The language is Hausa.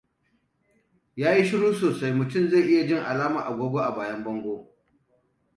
Yayi shuru sosai mutum zai iya jin alamar agogo a bayan bango.